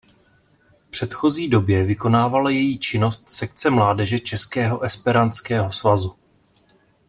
V předchozí době vykonávala její činnost sekce mládeže Českého esperantského svazu.